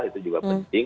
itu juga penting